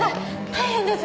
大変です！